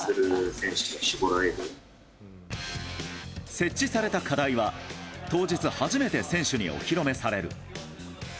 設置された課題は当日初めて選手に、お披露目される。